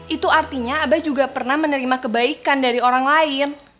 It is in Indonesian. itu artinya abah juga pernah menerima kebaikan dari orang lain